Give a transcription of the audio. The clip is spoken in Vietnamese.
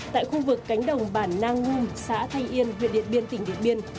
tại khu vực cánh đồng bản nang ngum xã thanh yên huyện điện biên tỉnh điện biên